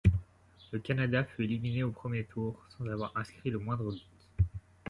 Le Canada fut éliminé au premier tour, sans avoir inscrit le moindre but.